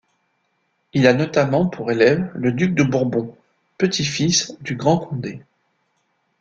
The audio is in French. Il a notamment pour élève le duc de Bourbon, petit-fils du Grand Condé.